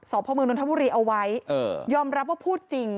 สพดนทบุรีเอาไว้เออยอมรับว่าพูดจริง